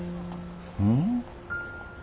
うん？